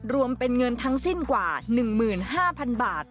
รวมเป็นเงินทั้งสิ้นกว่า๑๕๐๐๐บาท